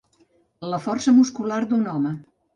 La força muscular d'un home.